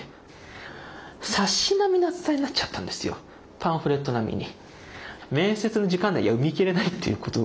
パンフレット並みに。